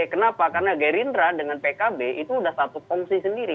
kenapa karena gerindra dengan pkb itu sudah satu kongsi sendiri